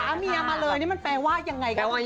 ป่าเมียมาเลยนี่มันแปลว่ายังไง